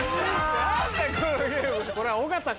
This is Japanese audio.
何だこのゲーム。